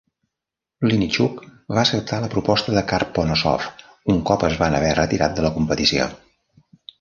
Linichuk va acceptar la proposta de Karponosov un cop es van haver retirat de la competició.